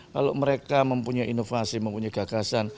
kalau mereka mempunyai inovasi mempunyai gagasan